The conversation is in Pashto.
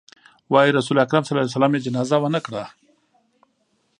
وايي رسول اکرم ص يې جنازه ونه کړه.